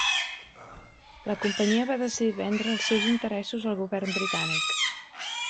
La Companyia va decidir vendre els seus interessos al govern britànic.